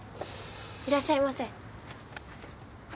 いらっしゃいませ。